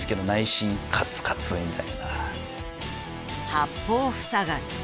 八方塞がり。